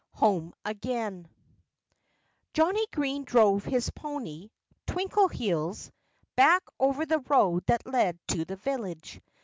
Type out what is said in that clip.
XXIV HOME AGAIN Johnnie Green drove his pony, Twinkleheels, back over the road that led to the village.